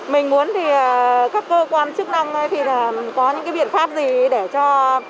mình muốn thì các cơ quan chức năng thì là có những cái biện pháp gì để cho